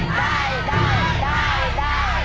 ได้